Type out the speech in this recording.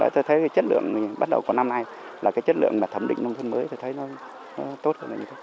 tôi thấy chất lượng bắt đầu của năm nay là chất lượng thẩm định nông thôn mới tôi thấy nó tốt